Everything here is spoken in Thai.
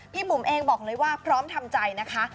บุ๋มเองบอกเลยว่าพร้อมทำใจนะคะ